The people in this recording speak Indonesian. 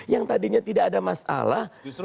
yang tadinya tidak ada masalah